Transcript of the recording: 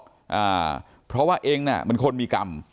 อ่าเพราะว่าเองน่ะเป็นคนมีกรรม